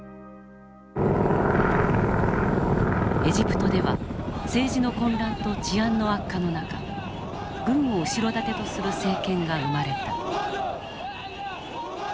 エジプトでは政治の混乱と治安の悪化の中軍を後ろ盾とする政権が生まれた。